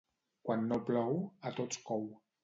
Quan no plou, a tots cou.